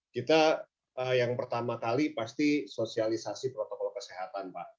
kita yang pertama kali pasti sosialisasi protokol kesehatan pak